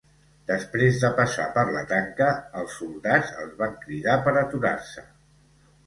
Després de passar per la tanca, els soldats els van cridar per aturar-se.